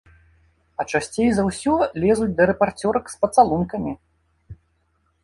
А часцей за ўсё лезуць да рэпарцёрак з пацалункамі.